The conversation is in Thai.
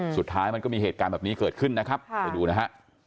สุดท้ายมันก็มีเหตุการณ์แบบนี้เกิดขึ้นนะครับไปดูนะฮะ